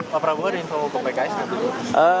pak prabowo ingin mau ke pks